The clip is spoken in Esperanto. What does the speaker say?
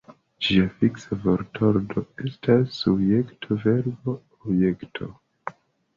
Ĝia fiksa vortordo estas subjekto-verbo-objekto.